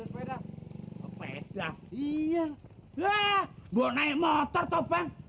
peda peda iya gue naik motor topeng